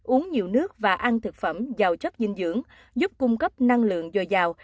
uống nhiều nước và ăn thực phẩm giàu chất dinh dưỡng giúp cung cấp năng lượng dồi dào